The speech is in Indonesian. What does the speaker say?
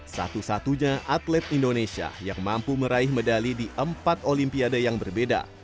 satu satunya atlet indonesia yang mampu meraih medali di empat olimpiade yang berbeda